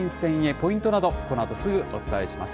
ポイントなどこのあとすぐお伝えします。